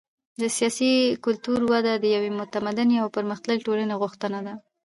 د سیاسي کلتور وده د یوې متمدنې او پرمختللې ټولنې غوښتنه ده.